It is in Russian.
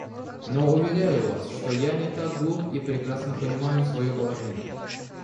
Но уверяю вас, что я не так глуп и прекрасно понимаю свое положение.